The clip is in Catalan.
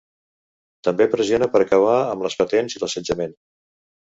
També pressiona per acabar amb les patents i l'assetjament.